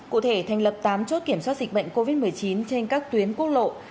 cụ thể thành lập tám chốt kiểm soát dịch bệnh covid một mươi chín trên các tuyến quốc lộ